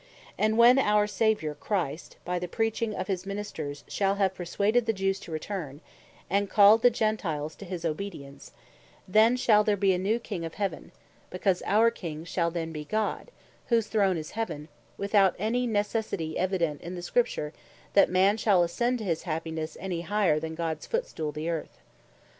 And when our Saviour Christ, by the preaching of his Ministers, shall have perswaded the Jews to return, and called the Gentiles to his obedience, then shall there be a new Kingdome of Heaven, because our King shall then be God, whose Throne is Heaven; without any necessity evident in the Scripture, that man shall ascend to his happinesse any higher than Gods Footstool the Earth.